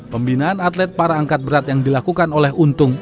pembinaan atlet para angkat berat yang dilakukan oleh untung